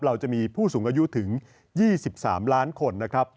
เราจะมีผู้สูงอายุถึง๒๓ล้านคนนะครับ